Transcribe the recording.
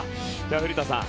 古田さん